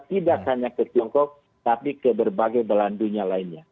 tidak hanya ke tiongkok tapi ke berbagai belandunya lainnya